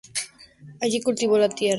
Allí cultivó la tierra.